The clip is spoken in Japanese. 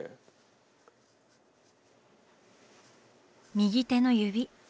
右手の指。